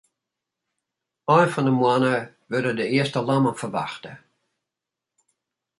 Ein fan 'e moanne wurde de earste lammen ferwachte.